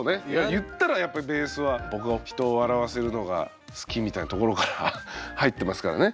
言ったらやっぱりベースは僕は人を笑わせるのが好きみたいなところから入ってますからね。